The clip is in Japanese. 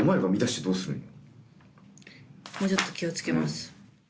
もうちょっと気を付けます。